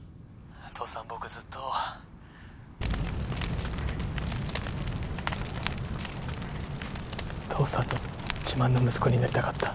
父さん僕ずっと父さんの自慢の息子になりたかった。